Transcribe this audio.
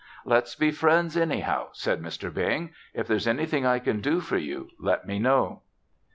"Let's be friends, anyhow," said Mr. Bing. "If there's anything I can do for you, let me know."